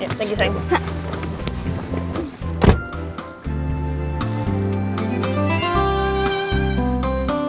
ya terima kasih sayang